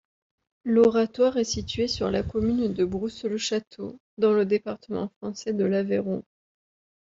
L'oratoire est situé sur la commune de Brousse-le-Château, dans le département français de l'Aveyron.